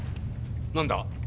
何だ？